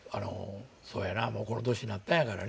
「そうやなもうこの年になったんやからね